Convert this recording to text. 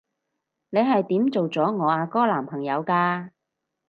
你係點做咗我阿哥男朋友㗎？